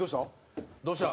どうした？